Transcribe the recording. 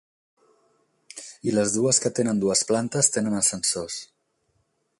I les dues que tenen dues plantes tenen ascensors.